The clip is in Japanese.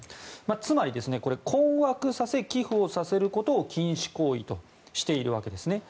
つまり、困惑させ寄付をさせることを禁止行為としているわけですね。